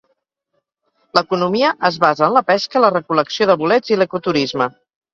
L'economia es basa en la pesca, la recol·lecció de bolets i l'ecoturisme.